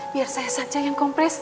biar saya saja yang kompres